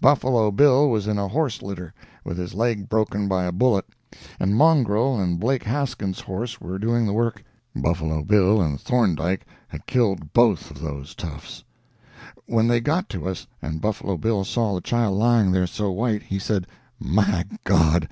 Buffalo Bill was in a horse litter, with his leg broken by a bullet, and Mongrel and Blake Haskins's horse were doing the work. Buffalo Bill and Thorndike had lolled both of those toughs. "When they got to us, and Buffalo Bill saw the child lying there so white, he said, 'My God!